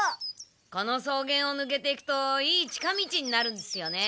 この草原をぬけていくといい近道になるんですよね。